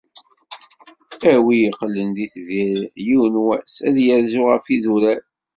A wi yeqqlen d itbir yiwen wass, ad yerzu ɣef yidurar.